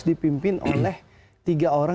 dipimpin oleh tiga orang